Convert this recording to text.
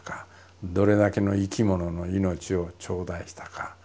どれだけの生き物の命を頂戴したか。